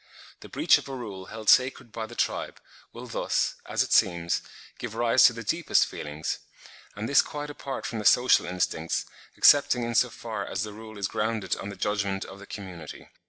The breach of a rule held sacred by the tribe, will thus, as it seems, give rise to the deepest feelings,—and this quite apart from the social instincts, excepting in so far as the rule is grounded on the judgment of the community.